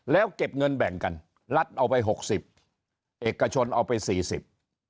แล้วเก็บเงินแบ่งกันรัฐเอาไปหกสิบเอกชนเอาไปสี่สิบ